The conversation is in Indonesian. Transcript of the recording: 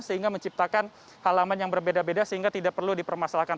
sehingga menciptakan halaman yang berbeda beda sehingga tidak perlu dipermasalahkan